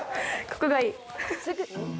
ここがいい。